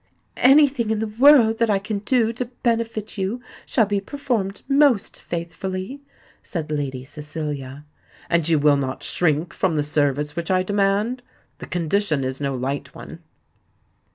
"Any thing in the world that I can do to benefit you shall be performed most faithfully," said Lady Cecilia. "And you will not shrink from the service which I demand? The condition is no light one."